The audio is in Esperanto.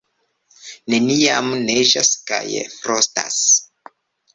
Neniam neĝas kaj frostas.